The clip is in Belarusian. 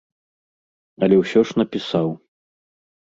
Але ўсё ж напісаў.